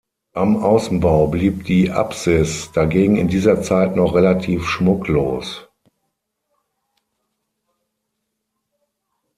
Am Außenbau blieb die Apsis dagegen in dieser Zeit noch relativ schmucklos.